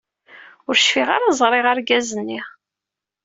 Ur cfiɣ ara ẓriɣ argaz-nni.